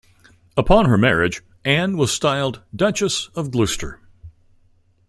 Upon her marriage, Anne was styled Duchess of Gloucester.